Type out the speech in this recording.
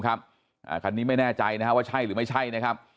คันนี้ไม่แน่ใจนะครับว่าใช่หรือไม่ใช่นะครับ